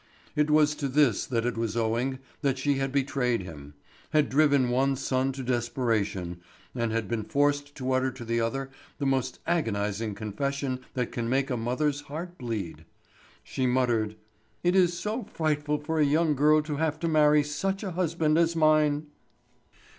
It was to this that it was owing that she had betrayed him, had driven one son to desperation, and had been forced to utter to the other the most agonizing confession that can make a mother's heart bleed. She muttered: "It is so frightful for a young girl to have to marry such a husband as mine."